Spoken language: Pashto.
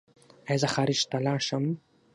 ایا زه خارج ته لاړ شم؟